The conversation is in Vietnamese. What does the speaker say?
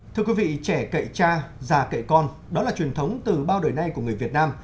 thưa quý vị trẻ kệ cha già kệ con đó là truyền thống từ bao đời nay của người việt nam